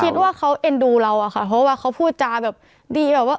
คิดว่าเขาเอ็นดูเราอะค่ะเพราะว่าเขาพูดจาแบบดีแบบว่า